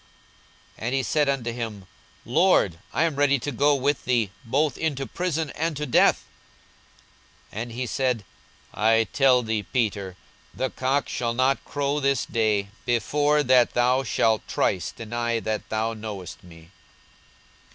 42:022:033 And he said unto him, Lord, I am ready to go with thee, both into prison, and to death. 42:022:034 And he said, I tell thee, Peter, the cock shall not crow this day, before that thou shalt thrice deny that thou knowest me.